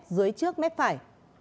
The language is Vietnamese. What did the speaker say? dưới trước mép phải